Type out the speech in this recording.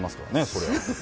そりゃ。